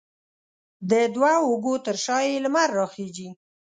د دوو اوږو تر شا یې لمر راخیژي